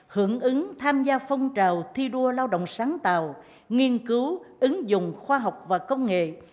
hưởng ứng tham gia phong trào thi đua lao động sáng tạo nghiên cứu ứng dụng khoa học và công nghệ